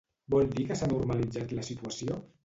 Vol dir que s’ha normalitzat la situació?